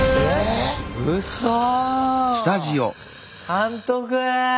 監督！